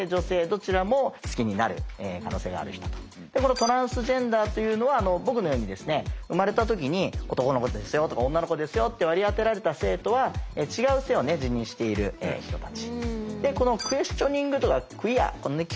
トランスジェンダーというのは僕のようにですね生まれた時に「男の子ですよ」とか「女の子ですよ」って割り当てられた性とは違う性を自認している人たち。